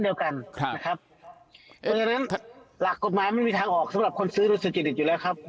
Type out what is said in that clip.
ดังนั้นเรารักกฎม้ามันไม่มีทางออกกัตรคนซื้อรถสือจีดอยู่แล้วครับ